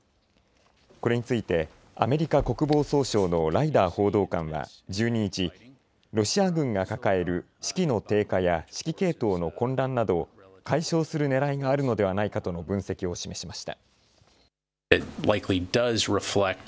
これについてアメリカ国防総省のライダー報道官は１２日、ロシア軍が抱える士気の低下や指揮系統の混乱などを解消するねらいがあるのではないかとの分析を示しました。